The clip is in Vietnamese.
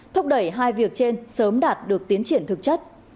thúc đẩy hai việc trên sớm đạt được tiến triển thực chất